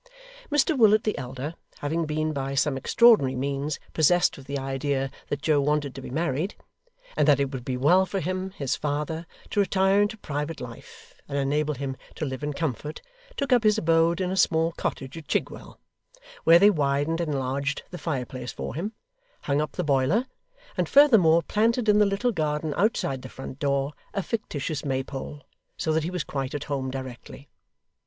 Mr Willet the elder, having been by some extraordinary means possessed with the idea that Joe wanted to be married, and that it would be well for him, his father, to retire into private life, and enable him to live in comfort, took up his abode in a small cottage at Chigwell; where they widened and enlarged the fireplace for him, hung up the boiler, and furthermore planted in the little garden outside the front door, a fictitious Maypole; so that he was quite at home directly.